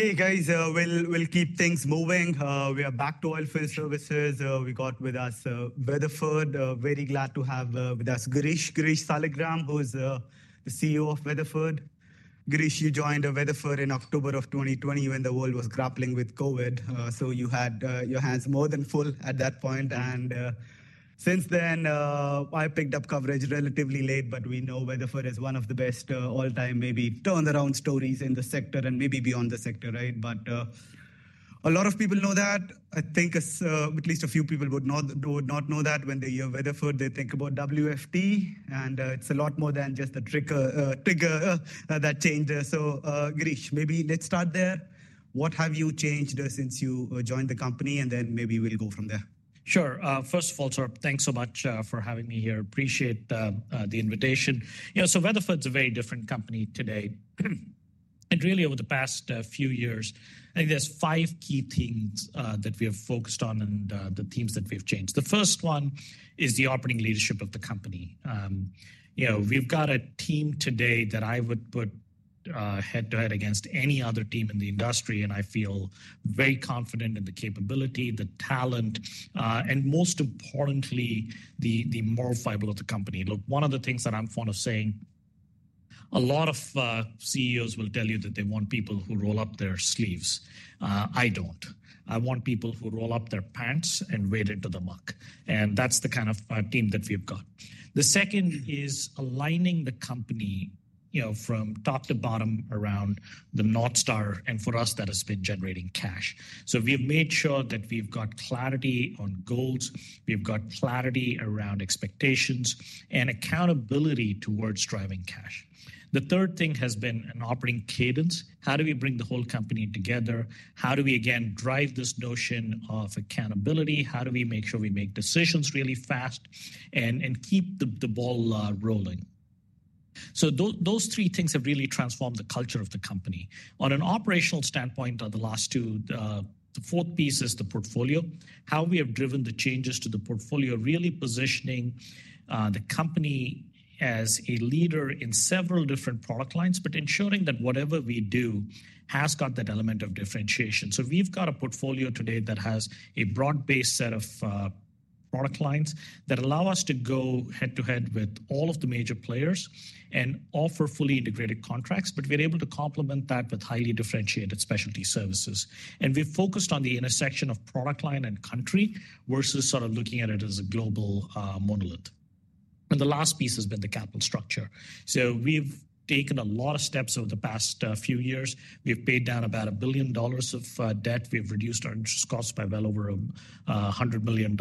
Hey, guys. We'll keep things moving. We are back to oilfield services. We got with us Weatherford. Very glad to have with us Girish. Girish Saligram, who is the CEO of Weatherford. Girish, you joined Weatherford in October of 2020 when the world was grappling with COVID, so you had your hands more than full at that point, and since then, I picked up coverage relatively late, but we know Weatherford is one of the best all-time, maybe turnaround stories in the sector and maybe beyond the sector, right, but a lot of people know that. I think at least a few people would not know that. When they hear Weatherford, they think about WFT. And it's a lot more than just the trigger that changed, so Girish, maybe let's start there. What have you changed since you joined the company, and then maybe we'll go from there. Sure. First of all, thanks so much for having me here. Appreciate the invitation, so Weatherford is a very different company today, and really, over the past few years, I think there's five key things that we have focused on and the themes that we've changed. The first one is the operating leadership of the company. We've got a team today that I would put head to head against any other team in the industry, and I feel very confident in the capability, the talent, and most importantly, the moral fiber of the company. Look, one of the things that I'm fond of saying, a lot of CEOs will tell you that they want people who roll up their sleeves. I don't. I want people who roll up their pants and wade into the muck, and that's the kind of team that we've got. The second is aligning the company from top to bottom around the North Star. And for us, that has been generating cash. So we have made sure that we've got clarity on goals. We've got clarity around expectations and accountability towards driving cash. The third thing has been an operating cadence. How do we bring the whole company together? How do we, again, drive this notion of accountability? How do we make sure we make decisions really fast and keep the ball rolling? So those three things have really transformed the culture of the company. On an operational standpoint, the last two, the fourth piece is the portfolio. How we have driven the changes to the portfolio, really positioning the company as a leader in several different product lines, but ensuring that whatever we do has got that element of differentiation. So we've got a portfolio today that has a broad-based set of product lines that allow us to go head to head with all of the major players and offer fully integrated contracts. But we're able to complement that with highly differentiated specialty services. And we've focused on the intersection of product line and country versus sort of looking at it as a global monolith. And the last piece has been the capital structure. So we've taken a lot of steps over the past few years. We've paid down about $1 billion of debt. We've reduced our interest costs by well over $100 million,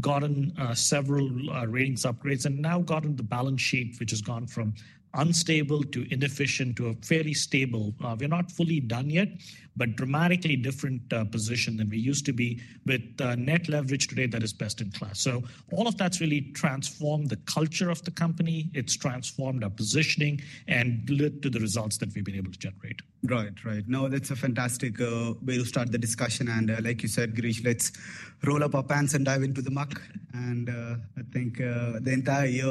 gotten several ratings upgrades, and now gotten the balance sheet, which has gone from unstable to inefficient to a fairly stable. We're not fully done yet, but dramatically different position than we used to be with net leverage today that is best in class. So all of that's really transformed the culture of the company. It's transformed our positioning and led to the results that we've been able to generate. Right, right. No, that's a fantastic way to start the discussion. And like you said, Girish, let's roll up our pants and dive into the muck. And I think the entire year,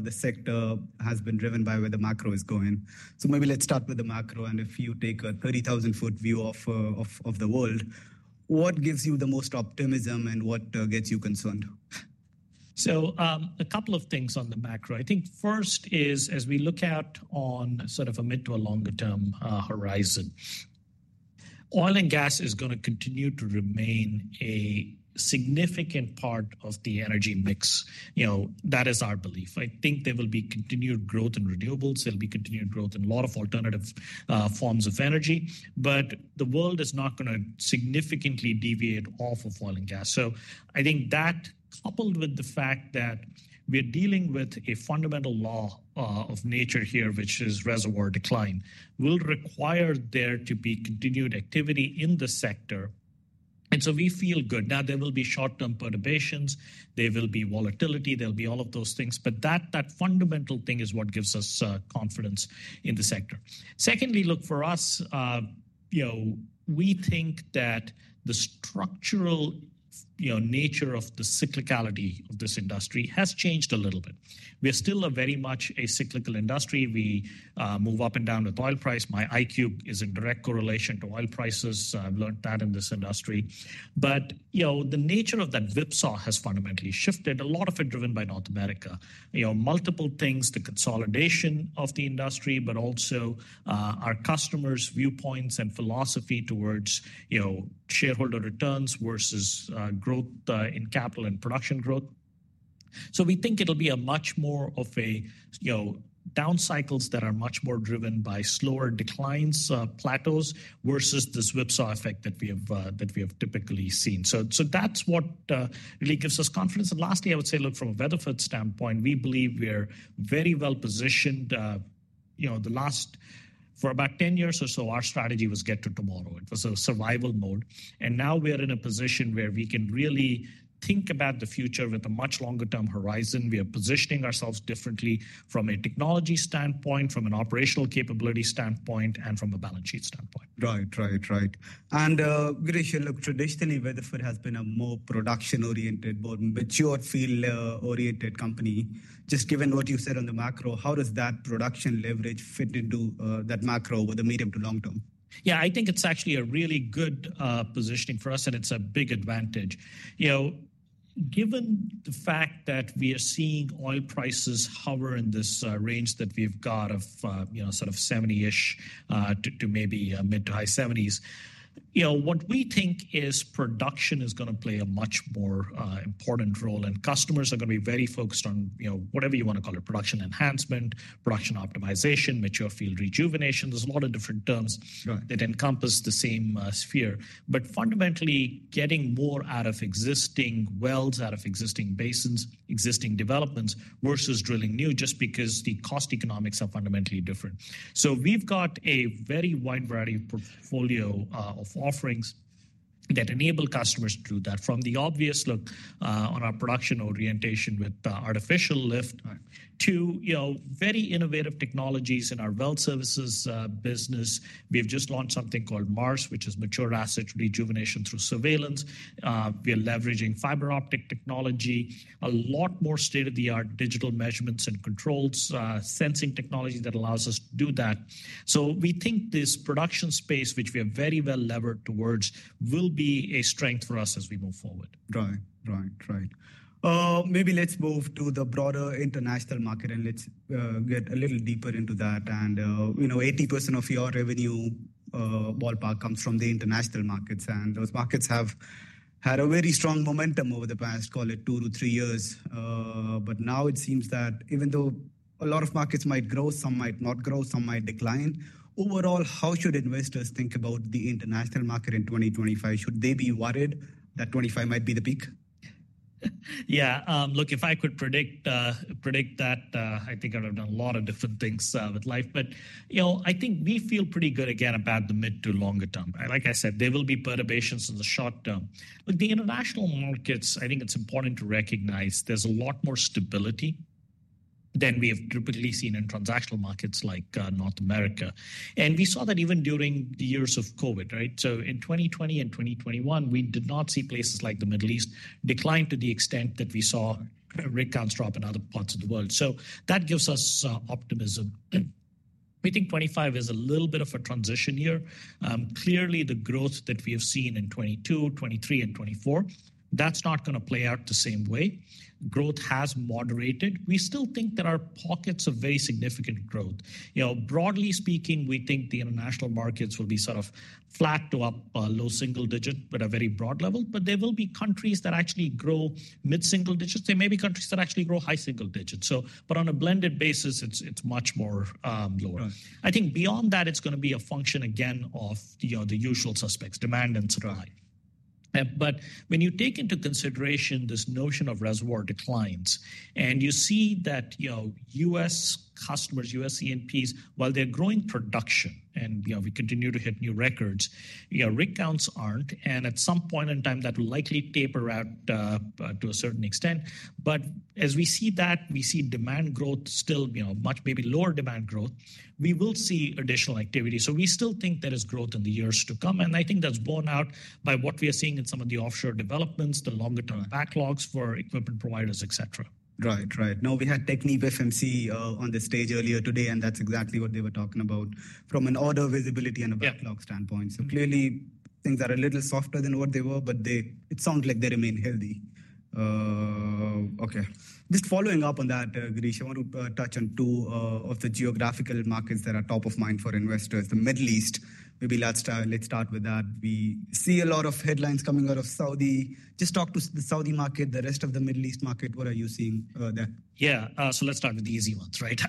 the sector has been driven by where the macro is going. So maybe let's start with the macro. And if you take a 30,000-foot view of the world, what gives you the most optimism and what gets you concerned? A couple of things on the macro. I think first is, as we look out on sort of a mid to a longer-term horizon, oil and gas is going to continue to remain a significant part of the energy mix. That is our belief. I think there will be continued growth in renewables. There'll be continued growth in a lot of alternative forms of energy. But the world is not going to significantly deviate off of oil and gas. So I think that, coupled with the fact that we're dealing with a fundamental law of nature here, which is reservoir decline, will require there to be continued activity in the sector. And so we feel good. Now, there will be short-term perturbations. There will be volatility. There'll be all of those things. But that fundamental thing is what gives us confidence in the sector. Secondly, look, for us, we think that the structural nature of the cyclicality of this industry has changed a little bit. We are still very much a cyclical industry. We move up and down with oil price. My IQ is in direct correlation to oil prices. I've learned that in this industry. But the nature of that whipsaw has fundamentally shifted, a lot of it driven by North America. Multiple things, the consolidation of the industry, but also our customers' viewpoints and philosophy towards shareholder returns versus growth in capital and production growth. So we think it'll be much more of down cycles that are much more driven by slower declines, plateaus, versus this whipsaw effect that we have typically seen. So that's what really gives us confidence. And lastly, I would say, look, from a Weatherford standpoint, we believe we're very well positioned. For the last about 10 years or so, our strategy was to get to tomorrow. It was survival mode. Now we are in a position where we can really think about the future with a much longer-term horizon. We are positioning ourselves differently from a technology standpoint, from an operational capability standpoint, and from a balance sheet standpoint. Right, right, right. And Girish, look, traditionally, Weatherford has been a more production-oriented, more mature field-oriented company. Just given what you said on the macro, how does that production leverage fit into that macro over the medium to long term? Yeah, I think it's actually a really good positioning for us. And it's a big advantage. Given the fact that we are seeing oil prices hover in this range that we've got of sort of $70-ish to maybe mid- to high $70s, what we think is production is going to play a much more important role. And customers are going to be very focused on whatever you want to call it, production enhancement, production optimization, mature field rejuvenation. There's a lot of different terms that encompass the same sphere. But fundamentally, getting more out of existing wells, out of existing basins, existing developments, versus drilling new, just because the cost economics are fundamentally different. So we've got a very wide variety of portfolio of offerings that enable customers to do that, from the obvious look on our production orientation with artificial lift to very innovative technologies in our well services business. We have just launched something called MARS, which is mature asset rejuvenation through surveillance. We are leveraging fiber optic technology, a lot more state-of-the-art digital measurements and controls, sensing technology that allows us to do that. So we think this production space, which we have very well levered towards, will be a strength for us as we move forward. Right, right, right. Maybe let's move to the broader international market and let's get a little deeper into that. And 80% of your revenue ballpark comes from the international markets. And those markets have had a very strong momentum over the past, call it, two to three years. But now it seems that even though a lot of markets might grow, some might not grow, some might decline, overall, how should investors think about the international market in 2025? Should they be worried that 2025 might be the peak? Yeah. Look, if I could predict that, I think I would have done a lot of different things with life. But I think we feel pretty good, again, about the mid to longer term. Like I said, there will be perturbations in the short term. Look, the international markets, I think it's important to recognize there's a lot more stability than we have typically seen in traditional markets like North America. And we saw that even during the years of COVID, right? So in 2020 and 2021, we did not see places like the Middle East decline to the extent that we saw rig counts drop in other parts of the world. So that gives us optimism. We think 2025 is a little bit of a transition year. Clearly, the growth that we have seen in 2022, 2023, and 2024, that's not going to play out the same way. Growth has moderated. We still think there are pockets of very significant growth. Broadly speaking, we think the international markets will be sort of flat to up, low single digit, but a very broad level. But there will be countries that actually grow mid single digits. There may be countries that actually grow high single digits. But on a blended basis, it's much more lower. I think beyond that, it's going to be a function, again, of the usual suspects, demand and supply. But when you take into consideration this notion of reservoir declines and you see that U.S. customers, U.S. E&Ps, while they're growing production and we continue to hit new records, rig counts aren't. And at some point in time, that will likely taper out to a certain extent. But as we see that, we see demand growth still, much, maybe, lower demand growth, we will see additional activity, so we still think there is growth in the years to come, and I think that's borne out by what we are seeing in some of the offshore developments, the longer-term backlogs for equipment providers, et cetera. Right, right. No, we had TechnipFMC on the stage earlier today, and that's exactly what they were talking about from an order visibility and a backlog standpoint, so clearly, things are a little softer than what they were, but it sounds like they remain healthy. Okay. Just following up on that, Girish, I want to touch on two of the geographical markets that are top of mind for investors, the Middle East. Maybe let's start with that. We see a lot of headlines coming out of Saudi. Just talk to the Saudi market, the rest of the Middle East market. What are you seeing there? Yeah. So let's start with the easy ones, right?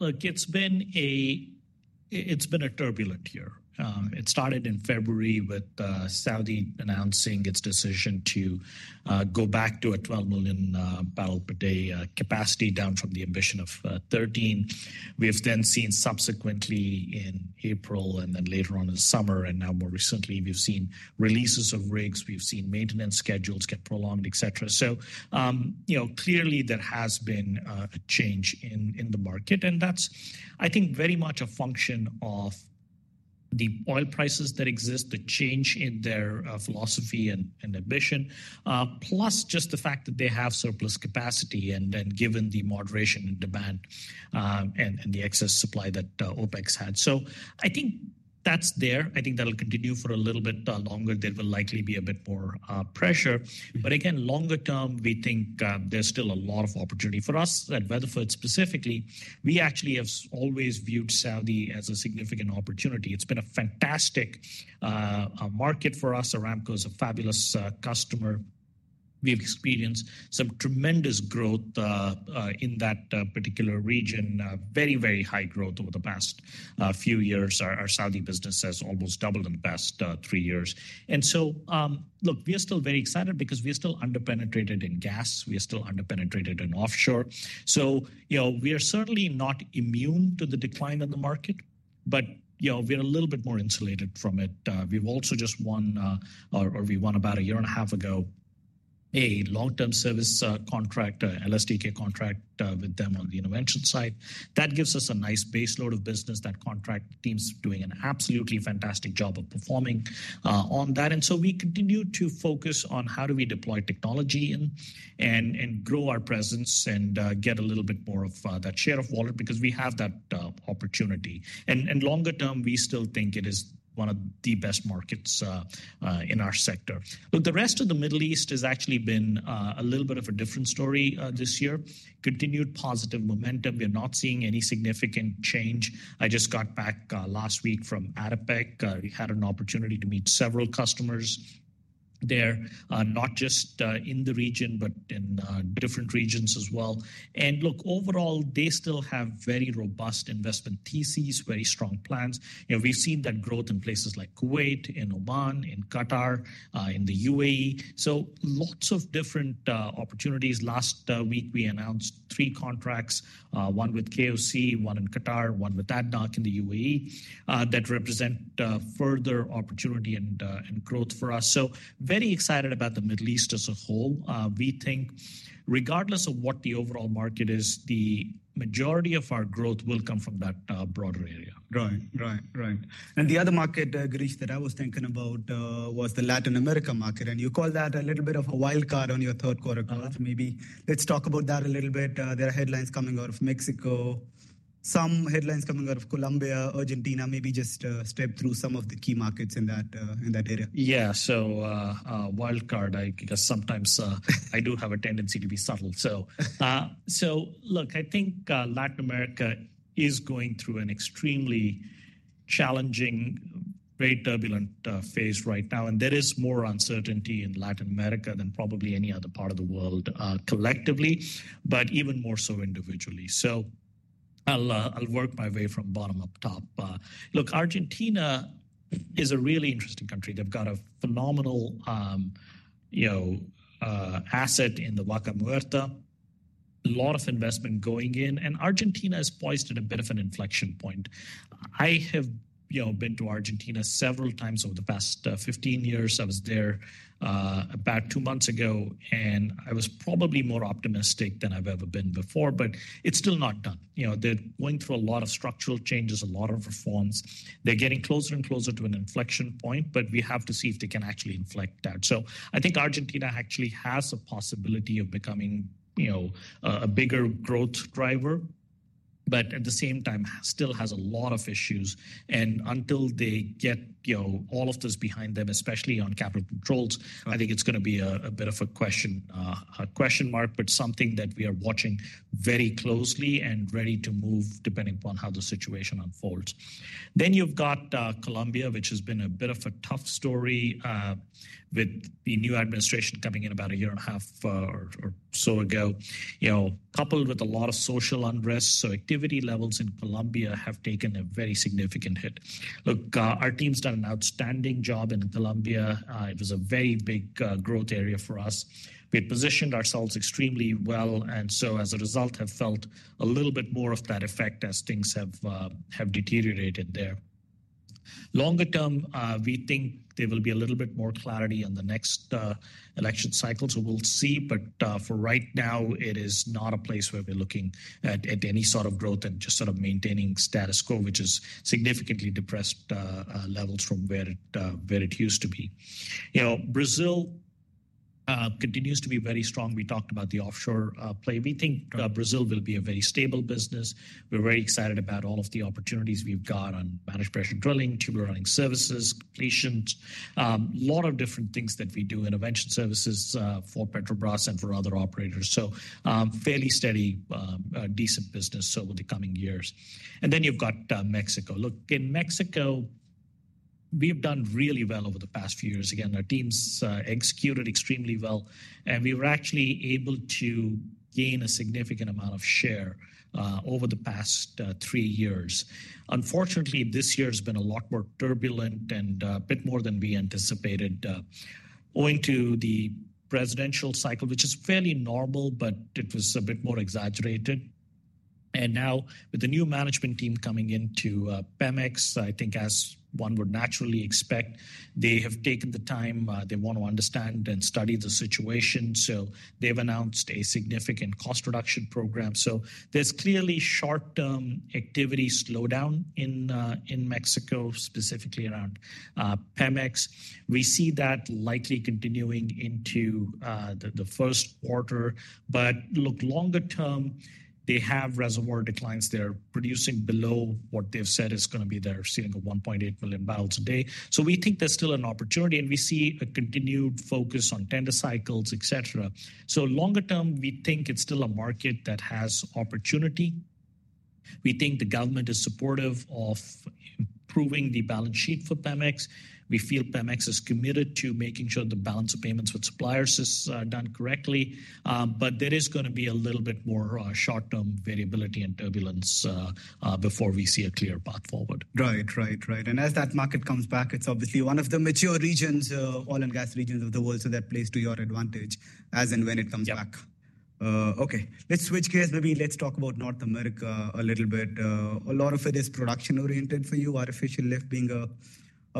Look, it's been a turbulent year. It started in February with Saudi announcing its decision to go back to a 12 million barrels per day capacity down from the ambition of 13. We have then seen subsequently in April and then later on in the summer and now more recently, we've seen releases of rigs. We've seen maintenance schedules get prolonged, et cetera. So clearly, there has been a change in the market. And that's, I think, very much a function of the oil prices that exist, the change in their philosophy and ambition, plus just the fact that they have surplus capacity and then given the moderation in demand and the excess supply that OPEC had. So I think that's there. I think that'll continue for a little bit longer. There will likely be a bit more pressure. But again, longer term, we think there's still a lot of opportunity for us at Weatherford specifically. We actually have always viewed Saudi as a significant opportunity. It's been a fantastic market for us. Aramco is a fabulous customer. We've experienced some tremendous growth in that particular region, very, very high growth over the past few years. Our Saudi business has almost doubled in the past three years. And so, look, we are still very excited because we are still underpenetrated in gas. We are still underpenetrated in offshore. So we are certainly not immune to the decline of the market. But we are a little bit more insulated from it. We've also just won, or we won about a year and a half ago, a long-term service contract, LSTK contract with them on the intervention side. That gives us a nice base load of business. That contract team's doing an absolutely fantastic job of performing on that, and so we continue to focus on how do we deploy technology and grow our presence and get a little bit more of that share of wallet because we have that opportunity, and longer term, we still think it is one of the best markets in our sector. Look, the rest of the Middle East has actually been a little bit of a different story this year. Continued positive momentum. We're not seeing any significant change. I just got back last week from ADIPEC. We had an opportunity to meet several customers there, not just in the region, but in different regions as well, and look, overall, they still have very robust investment theses, very strong plans. We've seen that growth in places like Kuwait, in Oman, in Qatar, in the UAE, so lots of different opportunities. Last week, we announced three contracts, one with KOC, one in Qatar, one with ADNOC in the UAE, that represent further opportunity and growth for us. So very excited about the Middle East as a whole. We think regardless of what the overall market is, the majority of our growth will come from that broader area. Right, right, right. And the other market, Girish, that I was thinking about was the Latin America market. And you call that a little bit of a wild card on your third quarter growth. Maybe let's talk about that a little bit. There are headlines coming out of Mexico, some headlines coming out of Colombia, Argentina. Maybe just step through some of the key markets in that area. Yeah, so wild card, I guess, sometimes I do have a tendency to be subtle, so look, I think Latin America is going through an extremely challenging, very turbulent phase right now, and there is more uncertainty in Latin America than probably any other part of the world collectively, but even more so individually, so I'll work my way from bottom up top. Look, Argentina is a really interesting country. They've got a phenomenal asset in the Vaca Muerta, a lot of investment going in, and Argentina is poised at a bit of an inflection point. I have been to Argentina several times over the past 15 years. I was there about two months ago, and I was probably more optimistic than I've ever been before, but it's still not done. They're going through a lot of structural changes, a lot of reforms. They're getting closer and closer to an inflection point. But we have to see if they can actually inflect that. So I think Argentina actually has a possibility of becoming a bigger growth driver, but at the same time still has a lot of issues. And until they get all of this behind them, especially on capital controls, I think it's going to be a bit of a question mark, but something that we are watching very closely and ready to move depending upon how the situation unfolds. Then you've got Colombia, which has been a bit of a tough story with the new administration coming in about a year and a half or so ago, coupled with a lot of social unrest. So activity levels in Colombia have taken a very significant hit. Look, our team's done an outstanding job in Colombia. It was a very big growth area for us. We had positioned ourselves extremely well. And so as a result, have felt a little bit more of that effect as things have deteriorated there. Longer term, we think there will be a little bit more clarity on the next election cycle. So we'll see. But for right now, it is not a place where we're looking at any sort of growth and just sort of maintaining status quo, which has significantly depressed levels from where it used to be. Brazil continues to be very strong. We talked about the offshore play. We think Brazil will be a very stable business. We're very excited about all of the opportunities we've got on managed pressure drilling, tubular running services, completions, a lot of different things that we do, intervention services for Petrobras and for other operators. Fairly steady, decent business over the coming years. And then you've got Mexico. Look, in Mexico, we have done really well over the past few years. Again, our team's executed extremely well. And we were actually able to gain a significant amount of share over the past three years. Unfortunately, this year has been a lot more turbulent and a bit more than we anticipated owing to the presidential cycle, which is fairly normal, but it was a bit more exaggerated. And now with the new management team coming into PEMEX, I think as one would naturally expect, they have taken the time. They want to understand and study the situation. So they've announced a significant cost reduction program. So there's clearly short-term activity slowdown in Mexico, specifically around PEMEX. We see that likely continuing into the first quarter. But look, longer term, they have reservoir declines. They're producing below what they've said is going to be their ceiling of 1.8 million barrels a day. So we think there's still an opportunity. And we see a continued focus on tender cycles, et cetera. So longer term, we think it's still a market that has opportunity. We think the government is supportive of improving the balance sheet for PEMEX. We feel PEMEX is committed to making sure the balance of payments with suppliers is done correctly. But there is going to be a little bit more short-term variability and turbulence before we see a clear path forward. Right, right, right. And as that market comes back, it's obviously one of the mature regions, oil and gas regions of the world. So that plays to your advantage as and when it comes back. Okay. Let's switch gears. Maybe let's talk about North America a little bit. A lot of it is production-oriented for you, artificial lift being a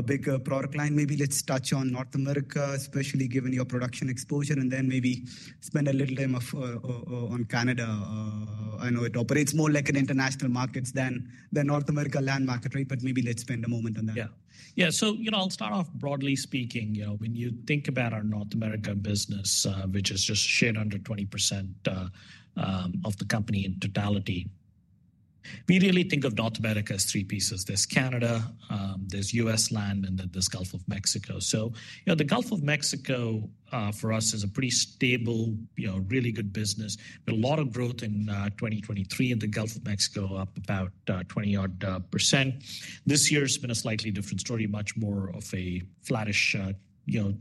big product line. Maybe let's touch on North America, especially given your production exposure, and then maybe spend a little time on Canada. I know it operates more like an international market than North America land market, right? But maybe let's spend a moment on that. Yeah, yeah. So I'll start off broadly speaking. When you think about our North America business, which is just under 20% of the company in totality, we really think of North America as three pieces. There's Canada, there's U.S. land, and then there's Gulf of Mexico. So the Gulf of Mexico for us is a pretty stable, really good business. We had a lot of growth in 2023 in the Gulf of Mexico, up about 20-odd%. This year has been a slightly different story, much more of a flattish,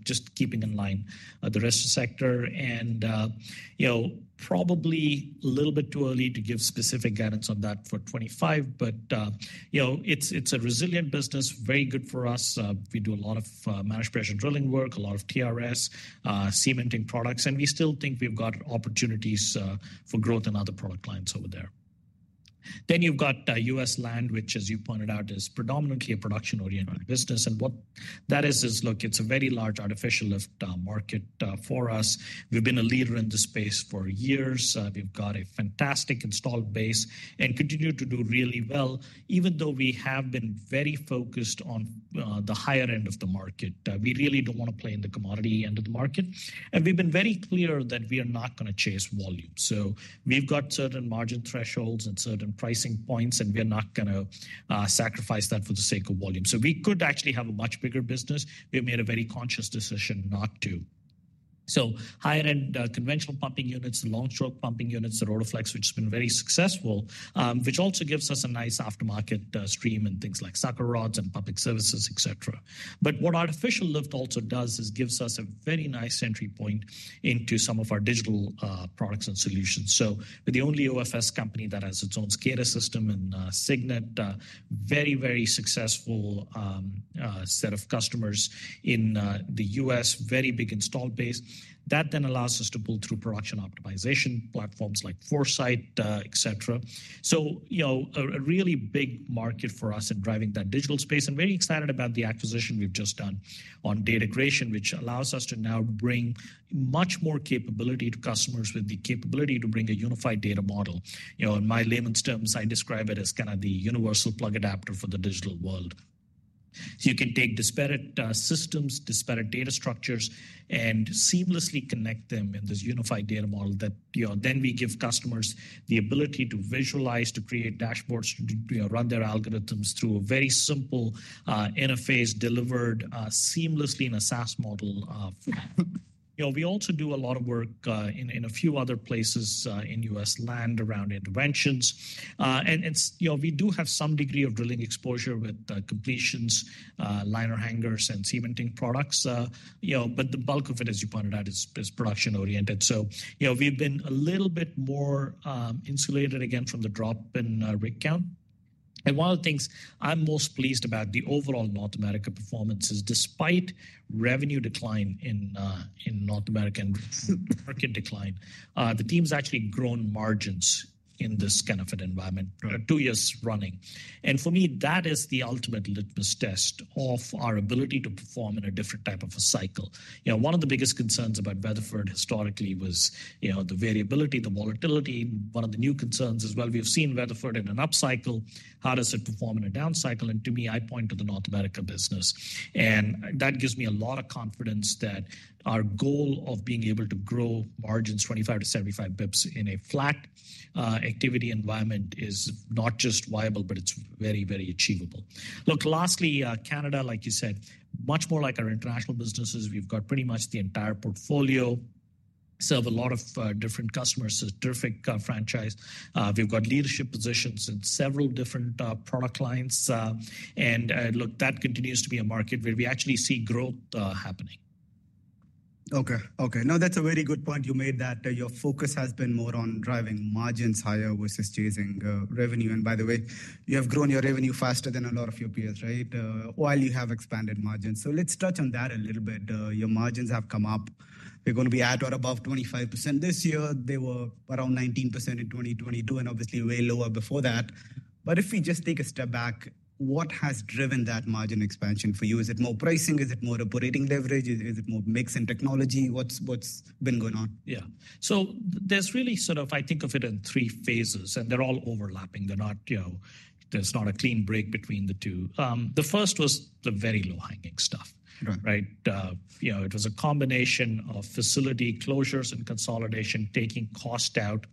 just keeping in line with the rest of the sector. And probably a little bit too early to give specific guidance on that for 2025. But it's a resilient business, very good for us. We do a lot of managed pressure drilling work, a lot of TRS, cementing products. We still think we've got opportunities for growth and other product lines over there. Then you've got U.S. land, which, as you pointed out, is predominantly a production-oriented business. And what that is, is look, it's a very large artificial lift market for us. We've been a leader in this space for years. We've got a fantastic installed base and continue to do really well, even though we have been very focused on the higher end of the market. We really don't want to play in the commodity end of the market. And we've been very clear that we are not going to chase volume. So we've got certain margin thresholds and certain pricing points. And we are not going to sacrifice that for the sake of volume. So we could actually have a much bigger business. We've made a very conscious decision not to. So higher-end conventional pumping units, the long-stroke pumping units, the Rotoflex, which has been very successful, which also gives us a nice aftermarket stream and things like sucker rods and tubular services, et cetera. But what artificial lift also does is gives us a very nice entry point into some of our digital products and solutions. So we're the only OFS company that has its own SCADA system and CygNet, very, very successful set of customers in the U.S., very big installed base. That then allows us to pull through production optimization platforms like ForeSite, et cetera. So a really big market for us in driving that digital space. And very excited about the acquisition we've just done on Datagration, which allows us to now bring much more capability to customers with the capability to bring a unified data model. In my layman's terms, I describe it as kind of the universal plug adapter for the digital world. So you can take disparate systems, disparate data structures, and seamlessly connect them in this unified data model that then we give customers the ability to visualize, to create dashboards, to run their algorithms through a very simple interface delivered seamlessly in a SaaS model. We also do a lot of work in a few other places in U.S. land around interventions. And we do have some degree of drilling exposure with completions, liner hangers, and cementing products. But the bulk of it, as you pointed out, is production-oriented. So we've been a little bit more insulated again from the drop in rig count. And one of the things I'm most pleased about. The overall North America performance is despite revenue decline in North America and market decline. The team's actually grown margins in this kind of an environment for two years running. And for me, that is the ultimate litmus test of our ability to perform in a different type of a cycle. One of the biggest concerns about Weatherford historically was the variability, the volatility. One of the new concerns as well: we have seen Weatherford in an up cycle. How does it perform in a down cycle? And to me, I point to the North America business. And that gives me a lot of confidence that our goal of being able to grow margins 25 to 75 basis points in a flat activity environment is not just viable, but it's very, very achievable. Look, lastly, Canada, like you said, much more like our international businesses. We've got pretty much the entire portfolio, serve a lot of different customers, a terrific franchise. We've got leadership positions in several different product lines. And look, that continues to be a market where we actually see growth happening. Okay, Okay. No, that's a very good point you made that your focus has been more on driving margins higher versus chasing revenue. And by the way, you have grown your revenue faster than a lot of your peers, right, while you have expanded margins. So let's touch on that a little bit. Your margins have come up. They're going to be at or above 25% this year. They were around 19% in 2022 and obviously way lower before that. But if we just take a step back, what has driven that margin expansion for you? Is it more pricing? Is it more operating leverage? Is it more mix in technology? What's been going on? Yeah. So there's really sort of, I think of it in three phases, and they're all overlapping. There's not a clean break between the two. The first was the very low hanging stuff, right? It was a combination of facility closures and consolidation, taking cost out,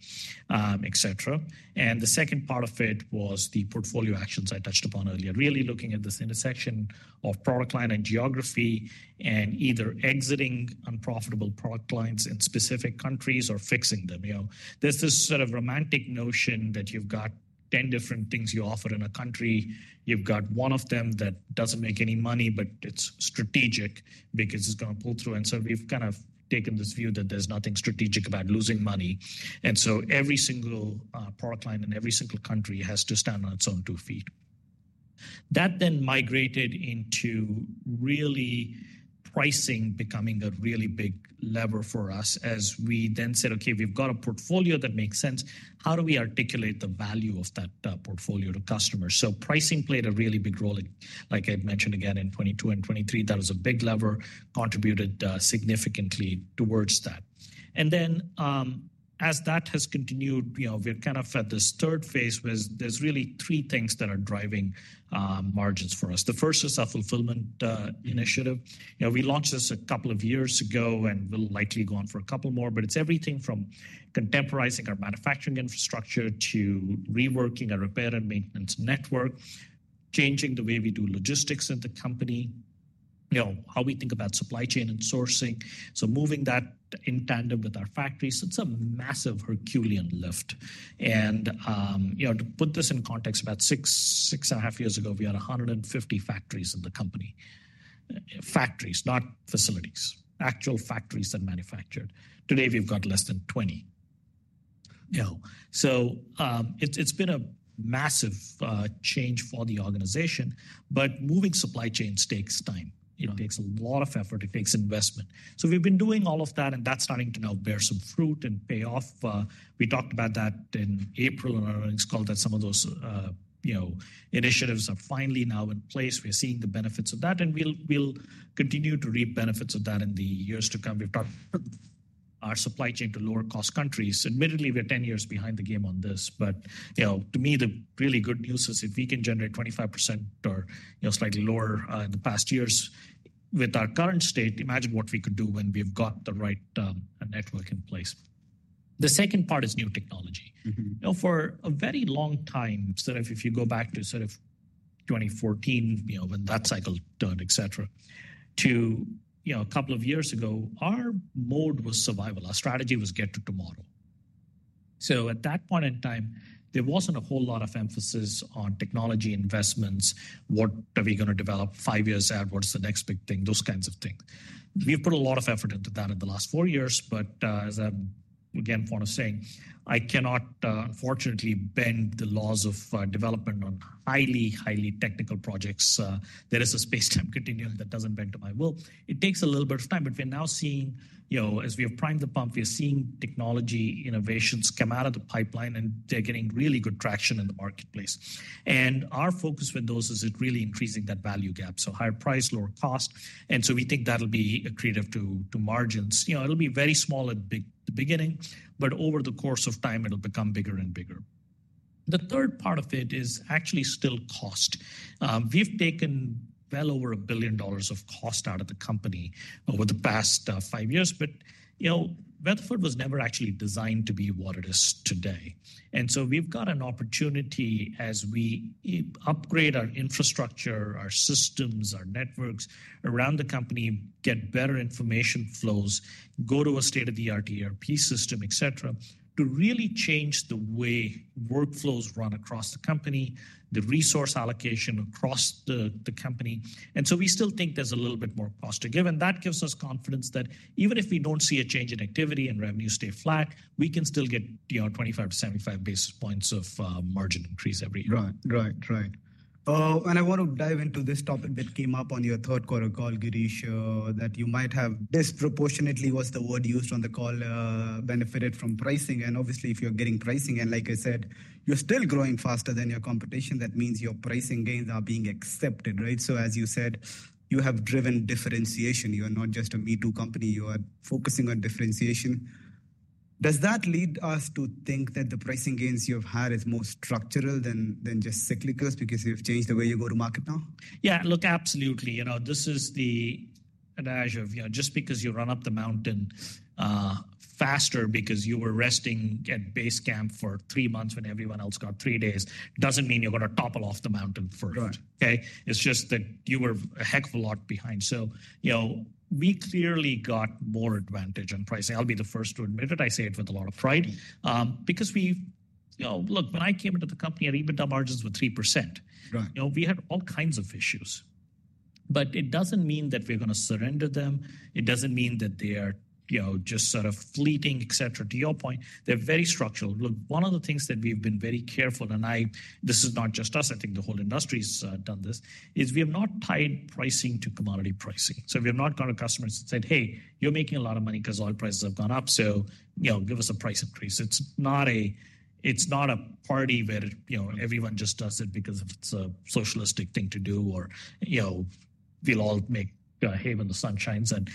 et cetera, and the second part of it was the portfolio actions I touched upon earlier, really looking at this intersection of product line and geography and either exiting unprofitable product lines in specific countries or fixing them. There's this sort of romantic notion that you've got 10 different things you offer in a country. You've got one of them that doesn't make any money, but it's strategic because it's going to pull through, and so we've kind of taken this view that there's nothing strategic about losing money. So every single product line and every single country has to stand on its own two feet. That then migrated into really pricing becoming a really big lever for us as we then said, OK, we've got a portfolio that makes sense. How do we articulate the value of that portfolio to customers? So pricing played a really big role. Like I mentioned again in 2022 and 2023, that was a big lever, contributed significantly towards that. And then as that has continued, we're kind of at this third phase where there's really three things that are driving margins for us. The first is a fulfillment initiative. We launched this a couple of years ago and will likely go on for a couple more. But it's everything from contemporizing our manufacturing infrastructure to reworking our repair and maintenance network, changing the way we do logistics at the company, how we think about supply chain and sourcing, so moving that in tandem with our factories. It's a massive Herculean lift. And to put this in context, about six and a half years ago, we had 150 factories in the company, factories, not facilities, actual factories that manufactured. Today, we've got less than 20. So it's been a massive change for the organization. But moving supply chains takes time. It takes a lot of effort. It takes investment. So we've been doing all of that. And that's starting to now bear some fruit and pay off. We talked about that in April on our earnings call that some of those initiatives are finally now in place. We're seeing the benefits of that. And we'll continue to reap benefits of that in the years to come. We've talked about our supply chain to lower-cost countries. Admittedly, we're 10 years behind the game on this. But to me, the really good news is if we can generate 25% or slightly lower in the past years with our current state, imagine what we could do when we've got the right network in place. The second part is new technology. For a very long time, sort of if you go back to sort of 2014 when that cycle turned, et cetera, to a couple of years ago, our mode was survival. Our strategy was get to tomorrow. So at that point in time, there wasn't a whole lot of emphasis on technology investments. What are we going to develop five years out? What's the next big thing? Those kinds of things. We've put a lot of effort into that in the last four years. But as I again point out, I cannot unfortunately bend the laws of development on highly, highly technical projects. There is a space-time continuum that doesn't bend to my will. It takes a little bit of time. But we're now seeing, as we have primed the pump, we're seeing technology innovations come out of the pipeline. And they're getting really good traction in the marketplace. And our focus with those is really increasing that value gap, so higher price, lower cost. And so we think that'll be accretive to margins. It'll be very small at the beginning. But over the course of time, it'll become bigger and bigger. The third part of it is actually still cost. We've taken well over $1 billion of cost out of the company over the past five years. Weatherford was never actually designed to be what it is today. We've got an opportunity as we upgrade our infrastructure, our systems, our networks around the company, get better information flows, go to a state-of-the-art ERP system, et cetera, to really change the way workflows run across the company, the resource allocation across the company. We still think there's a little bit more cost to give. That gives us confidence that even if we don't see a change in activity and revenues stay flat, we can still get 25 to 75 basis points of margin increase every year. Right, right, right, and I want to dive into this topic that came up on your third-quarter call, Girish, that you might have disproportionately benefited from pricing, and "disproportionately" was the word used on the call. Obviously, if you're getting pricing and, like I said, you're still growing faster than your competition, that means your pricing gains are being accepted, right? As you said, you have driven differentiation. You are not just a me-too company. You are focusing on differentiation. Does that lead us to think that the pricing gains you've had are more structural than just cyclicals because you've changed the way you go to market now? Yeah, look, absolutely. This is the analogy. Just because you run up the mountain faster because you were resting at base camp for three months when everyone else got three days doesn't mean you're going to get to the top of the mountain first. It's just that you were a heck of a lot behind. So we clearly got more advantage on pricing. I'll be the first to admit it. I say it with a lot of pride. Because, look, when I came into the company, our EBITDA margins were 3%. We had all kinds of issues. But it doesn't mean that we're going to surrender them. It doesn't mean that they are just sort of fleeting, et cetera. To your point, they're very structural. Look, one of the things that we've been very careful, and this is not just us. I think the whole industry has done this, in that we have not tied pricing to commodity pricing, so we have not gone to customers and said, hey, you're making a lot of money because oil prices have gone up, so give us a price increase. It's not a party where everyone just does it because it's a socialistic thing to do or we'll all make hay in the sunshine and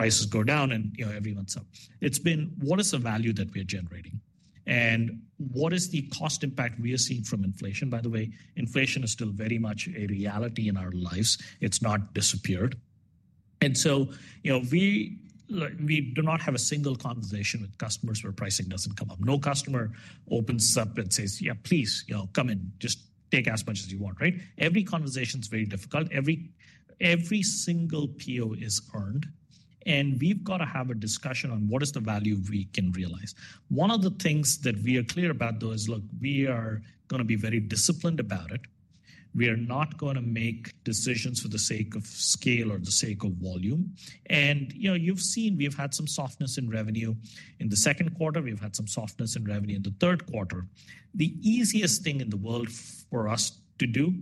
prices go down and everyone's up. It's been, what is the value that we're generating and what is the cost impact we are seeing from inflation? By the way, inflation is still very much a reality in our lives, it's not disappeared, and so we do not have a single conversation with customers where pricing doesn't come up. No customer opens up and says, yeah, please, come in. Just take as much as you want, right? Every conversation is very difficult. Every single PO is earned. And we've got to have a discussion on what is the value we can realize. One of the things that we are clear about, though, is look, we are going to be very disciplined about it. We are not going to make decisions for the sake of scale or the sake of volume. And you've seen we've had some softness in revenue in the second quarter. We've had some softness in revenue in the third quarter. The easiest thing in the world for us to do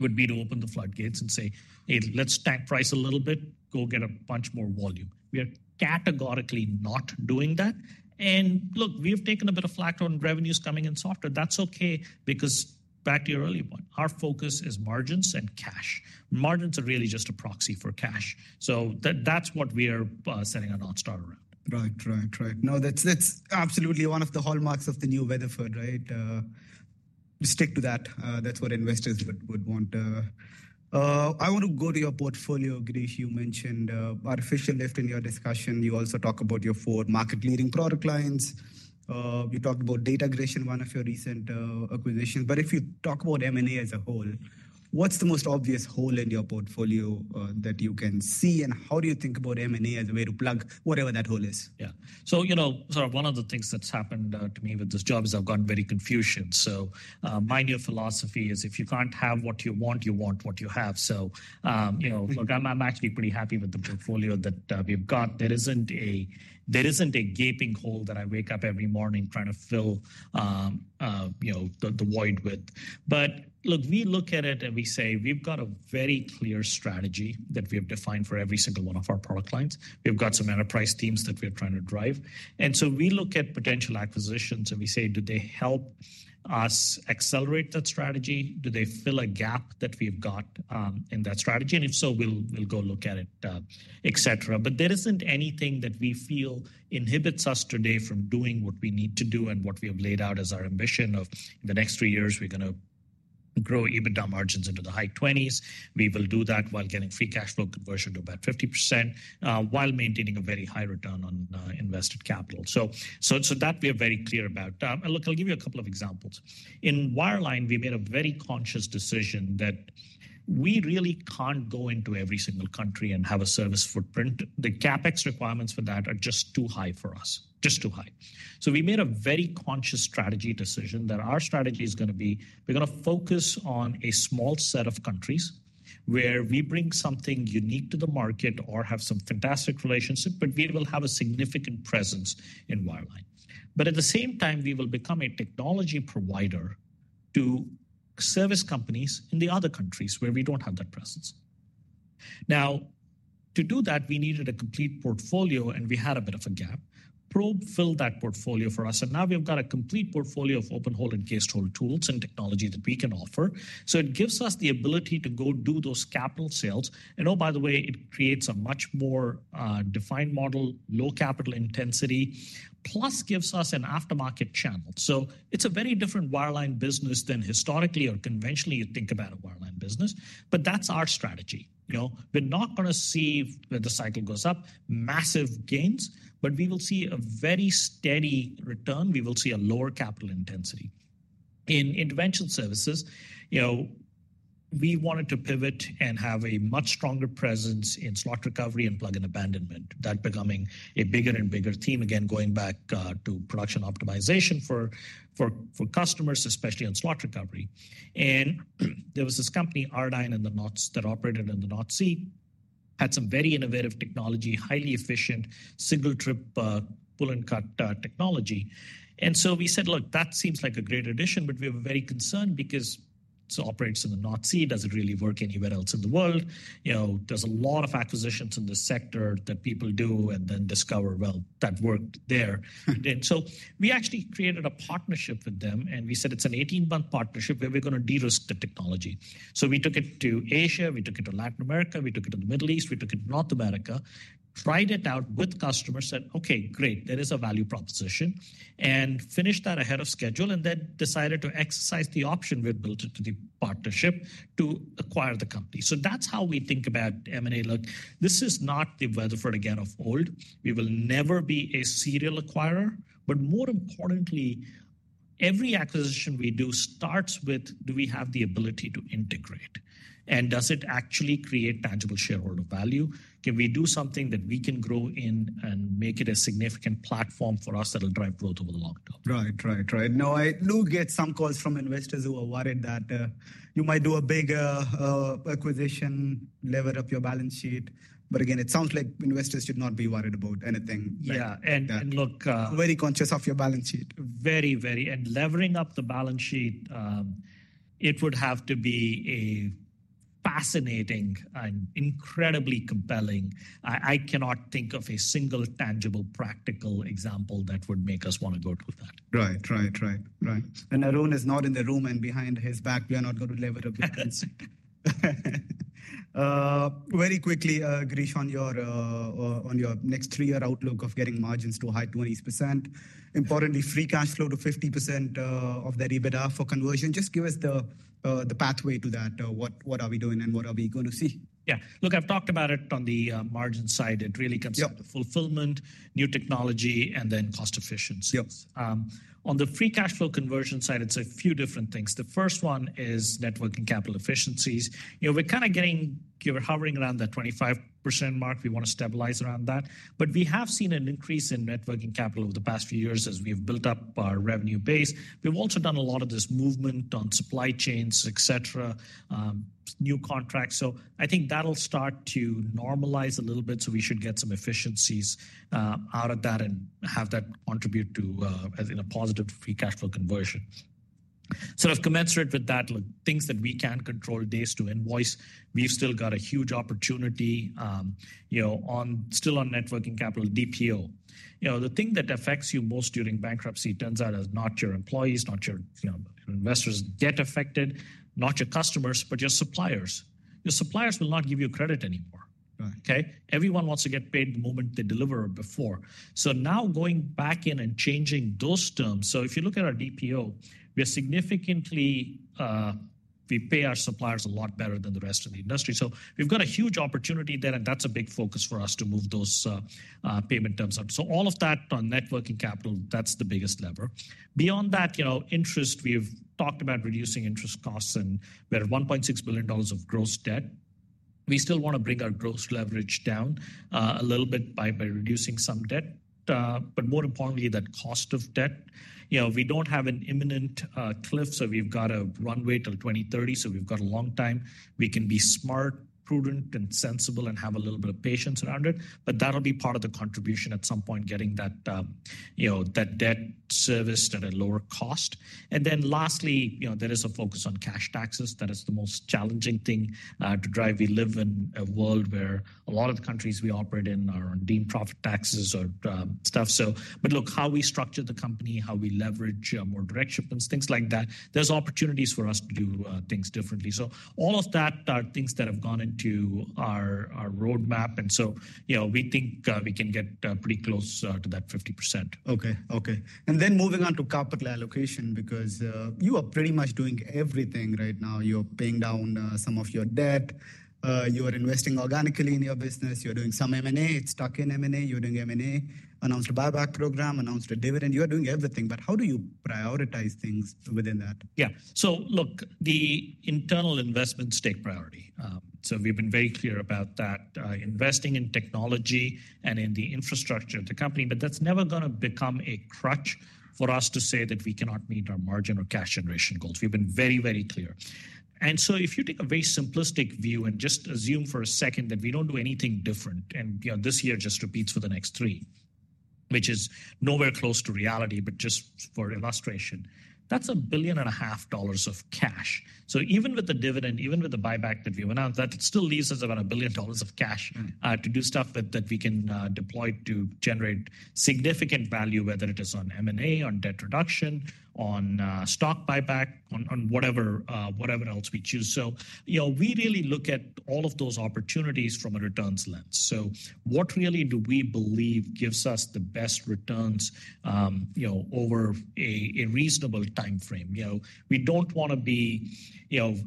would be to open the floodgates and say, hey, let's tank the price a little bit. Go get a bunch more volume. We are categorically not doing that. And look, we have taken a bit of flak on revenues coming in softer. That's Okay because back to your earlier point, our focus is margins and cash. Margins are really just a proxy for cash. So that's what we are setting our North Star around. Right, right, right. No, that's absolutely one of the hallmarks of the new Weatherford, right? Stick to that. That's what investors would want. I want to go to your portfolio, Girish. You mentioned artificial lift in your discussion. You also talk about your four market-leading product lines. You talked about Datagration, one of your recent acquisitions. But if you talk about M&A as a whole, what's the most obvious hole in your portfolio that you can see? And how do you think about M&A as a way to plug whatever that hole is? Yeah. So sort of one of the things that's happened to me with this job is I've gotten very Confucian. So my new philosophy is if you can't have what you want, you want what you have. So look, I'm actually pretty happy with the portfolio that we've got. There isn't a gaping hole that I wake up every morning trying to fill the void with. But look, we look at it and we say we've got a very clear strategy that we have defined for every single one of our product lines. We've got some enterprise teams that we're trying to drive. And so we look at potential acquisitions and we say, do they help us accelerate that strategy? Do they fill a gap that we've got in that strategy? And if so, we'll go look at it, et cetera. But there isn't anything that we feel inhibits us today from doing what we need to do and what we have laid out as our ambition of in the next three years, we're going to grow EBITDA margins into the high 20s%. We will do that while getting free cash flow conversion to about 50% while maintaining a very high return on invested capital. So that we are very clear about. Look, I'll give you a couple of examples. In Wireline, we made a very conscious decision that we really can't go into every single country and have a service footprint. The CapEx requirements for that are just too high for us, just too high. We made a very conscious strategy decision that our strategy is going to be we're going to focus on a small set of countries where we bring something unique to the market or have some fantastic relationship, but we will have a significant presence in Wireline. At the same time, we will become a technology provider to service companies in the other countries where we don't have that presence. Now, to do that, we needed a complete portfolio. We had a bit of a gap. Probe filled that portfolio for us. Now we've got a complete portfolio of open hole and cased hole tools and technology that we can offer. It gives us the ability to go do those capital sales. Oh, by the way, it creates a much more defined model, low capital intensity, plus gives us an aftermarket channel. It's a very different wireline business than historically or conventionally you think about a wireline business. But that's our strategy. We're not going to see, when the cycle goes up, massive gains. But we will see a very steady return. We will see a lower capital intensity. In intervention services, we wanted to pivot and have a much stronger presence in slot recovery and plug and abandonment. That's becoming a bigger and bigger theme, again, going back to production optimization for customers, especially on slot recovery. And there was this company, Ardyne in the North that operated in the North Sea, had some very innovative technology, highly efficient single-trip pull-and-cut technology. And so we said, look, that seems like a great addition. But we were very concerned because it operates in the North Sea. Does it really work anywhere else in the world? There's a lot of acquisitions in this sector that people do and then discover, well, that worked there. And so we actually created a partnership with them. And we said it's an 18-month partnership where we're going to de-risk the technology. So we took it to Asia. We took it to Latin America. We took it to the Middle East. We took it to North America. Tried it out with customers. Said, Okay, great. There is a value proposition. And finished that ahead of schedule. And then decided to exercise the option we built into the partnership to acquire the company. So that's how we think about M&A. Look, this is not the Weatherford again of old. We will never be a serial acquirer. But more importantly, every acquisition we do starts with, do we have the ability to integrate? And does it actually create tangible shareholder value? Can we do something that we can grow in and make it a significant platform for us that will drive growth over the long term? Right, right, right. No, I do get some calls from investors who are worried that you might do a bigger acquisition, lever up your balance sheet. But again, it sounds like investors should not be worried about anything. Yeah. And look. Very conscious of your balance sheet. Very, very. And levering up the balance sheet, it would have to be a fascinating and incredibly compelling. I cannot think of a single tangible practical example that would make us want to go to that. Right. Arun is not in the room. And behind his back, we are not going to lever up your balance sheet. Very quickly, Girish, on your next three-year outlook of getting margins to high 20%, importantly, free cash flow to 50% of their EBITDA for conversion. Just give us the pathway to that. What are we doing and what are we going to see? Yeah. Look, I've talked about it on the margin side. It really comes down to fulfillment, new technology, and then cost efficiency. On the free cash flow conversion side, it's a few different things. The first one is working capital efficiencies. We're kind of, we're hovering around that 25% mark. We want to stabilize around that. But we have seen an increase in working capital over the past few years as we have built up our revenue base. We've also done a lot of this movement on supply chains, et cetera, new contracts. So I think that'll start to normalize a little bit. So we should get some efficiencies out of that and have that contribute to a positive free cash flow conversion. Sort of commensurate with that, look, things that we can control days to invoice. We've still got a huge opportunity on working capital, DPO. The thing that affects you most during bankruptcy turns out is not your employees, not your investors get affected, not your customers, but your suppliers. Your suppliers will not give you credit anymore. Everyone wants to get paid the moment they deliver or before, so now going back in and changing those terms, so if you look at our DPO, we pay our suppliers a lot better than the rest of the industry. So we've got a huge opportunity there, and that's a big focus for us to move those payment terms up, so all of that on working capital, that's the biggest lever. Beyond that, interest. We've talked about reducing interest costs, and we're at $1.6 billion of gross debt. We still want to bring our gross leverage down a little bit by reducing some debt, but more importantly, that cost of debt, we don't have an imminent cliff. So we've got a runway till 2030. So we've got a long time. We can be smart, prudent, and sensible and have a little bit of patience around it. But that'll be part of the contribution at some point, getting that debt serviced at a lower cost. And then lastly, there is a focus on cash taxes. That is the most challenging thing to drive. We live in a world where a lot of the countries we operate in are on deemed profit taxes or stuff. But look, how we structure the company, how we leverage more direct shipments, things like that, there's opportunities for us to do things differently. So all of that are things that have gone into our roadmap. And so we think we can get pretty close to that 50%. Okay, Okay. And then moving on to capital allocation, because you are pretty much doing everything right now. You're paying down some of your debt. You are investing organically in your business. You're doing some M&A. It's stuck in M&A. You're doing M&A, announced a buyback program, announced a dividend. You're doing everything. But how do you prioritize things within that? Yeah. So look, the internal investments take priority. So we've been very clear about that, investing in technology and in the infrastructure of the company. But that's never going to become a crutch for us to say that we cannot meet our margin or cash generation goals. We've been very, very clear. And so if you take a very simplistic view and just assume for a second that we don't do anything different, and this year just repeats for the next three, which is nowhere close to reality, but just for illustration, that's $1.5 billion of cash. Even with the dividend, even with the buyback that we announced, that still leaves us about $1 billion of cash to do stuff with that we can deploy to generate significant value, whether it is on M&A, on debt reduction, on stock buyback, on whatever else we choose. So we really look at all of those opportunities from a returns lens. So what really do we believe gives us the best returns over a reasonable time frame? We don't want to be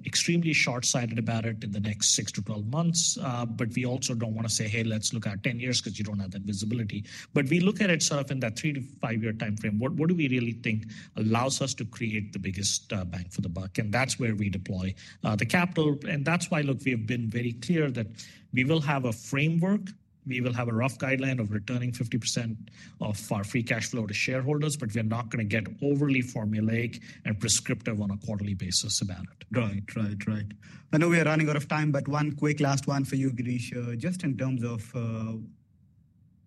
extremely shortsighted about it in the next six to 12 months. But we also don't want to say, hey, let's look at 10 years because you don't have that visibility. But we look at it sort of in that three to five-year time frame. What do we really think allows us to create the biggest bang for the buck? And that's where we deploy the capital. And that's why, look, we have been very clear that we will have a framework. We will have a rough guideline of returning 50% of our free cash flow to shareholders. But we're not going to get overly formulaic and prescriptive on a quarterly basis about it. Right, right, right. I know we are running out of time. But one quick last one for you, Girish, just in terms of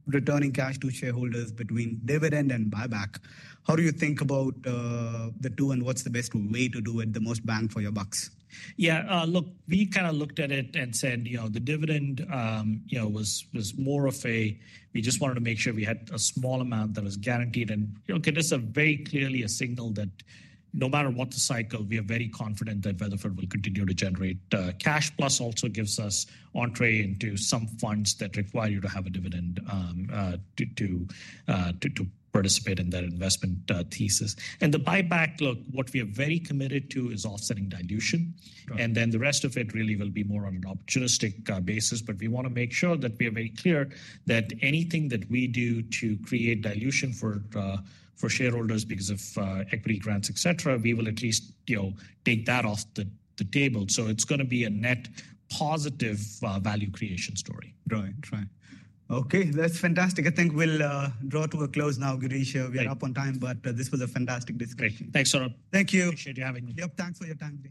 returning cash to shareholders between dividend and buyback. How do you think about the two and what's the best way to do it, the most bang for your bucks? Yeah. Look, we kind of looked at it and said the dividend was more of a, we just wanted to make sure we had a small amount that was guaranteed. And look, it is very clearly a signal that no matter what the cycle, we are very confident that Weatherford will continue to generate cash. Plus, also gives us entrée into some funds that require you to have a dividend to participate in that investment thesis. And the buyback, look, what we are very committed to is offsetting dilution. And then the rest of it really will be more on an opportunistic basis. But we want to make sure that we are very clear that anything that we do to create dilution for shareholders because of equity grants, et cetera, we will at least take that off the table. So it's going to be a net positive value creation story. Right, right. Okay, that's fantastic. I think we'll draw to a close now, Girish. We are up on time, but this was a fantastic discussion. Thanks, Arun. Thank you. Appreciate you having me. Yep. Thanks for your time.